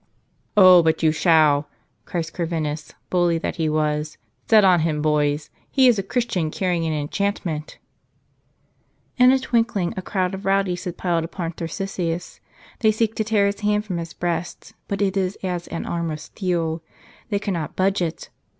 "Oh, but you shall!" cries Corvinus, bully that he was. "Set on him, boys ! He is a Christian carrying an enchantment !" In a twinkling a crowd of rowdies had piled upon Tarsicius. They seek to tear his hand from his breast, but it is as an arm of steel: they cannot budge it.